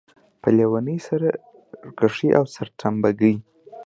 په لېونۍ سرکښۍ او سرتمبه ګۍ.